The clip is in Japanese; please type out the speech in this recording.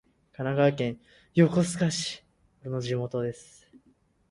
神奈川県横須賀市